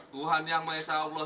tuhan yang maha esa allah